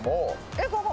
えっここ？